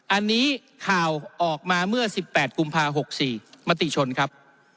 อันนี้ข่าวออกมาเมื่อ๑๘กุมภา๖๔มติชนครับ